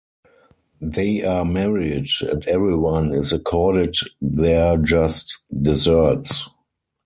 They are married; and everyone is accorded their just deserts.